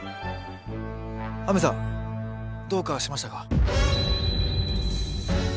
亜美さんどうかしましたか？